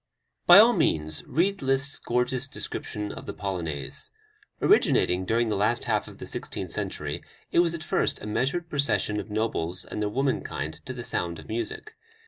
By all means read Liszt's gorgeous description of the Polonaise. Originating during the last half of the sixteenth century, it was at first a measured procession of nobles and their womankind to the sound of music.